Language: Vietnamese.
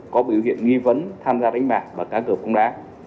có biểu hiện nghi vấn tham gia đánh bạc và cá gợp bóng đá